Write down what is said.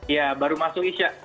ya baru masuk isya